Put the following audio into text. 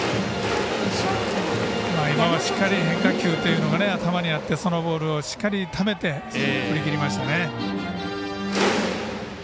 今はしっかり変化球というのが頭にあってそのボールをしっかりためて振り切りましたね。